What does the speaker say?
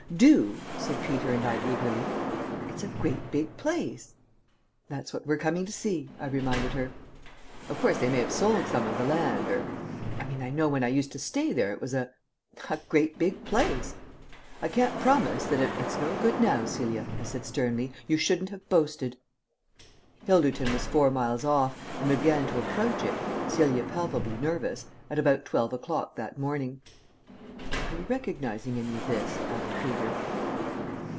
"Do," said Peter and I eagerly. "It's a great big place " "That's what we're coming to see," I reminded her. "Of course they may have sold some of the land, or I mean, I know when I used to stay there it was a a great big place. I can't promise that it " "It's no good now, Celia," I said sternly. "You shouldn't have boasted." Hilderton was four miles off, and we began to approach it Celia palpably nervous at about twelve o'clock that morning. "Are you recognizing any of this?" asked Peter.